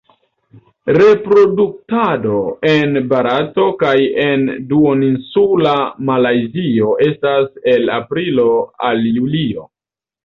Reproduktado en Barato kaj en Duoninsula Malajzio estas el aprilo al julio.